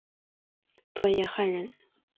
段业汉人。